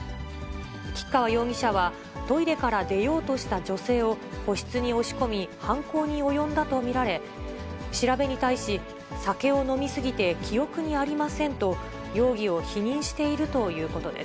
吉川容疑者は、トイレから出ようとした女性を個室に押し込み、犯行に及んだと見られ、調べに対し、酒を飲み過ぎて記憶にありませんと、容疑を否認しているということです。